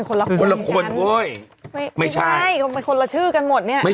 คนละคนคนละคนเว้ยไม่ใช่ก็เป็นคนละชื่อกันหมดเนี้ย